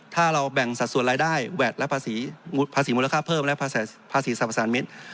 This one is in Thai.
ถ้าเราแบ่งสัดส่วนรายได้แวดและภาษีมูลค่าเพิ่มและภาษีสรรพสารมิตร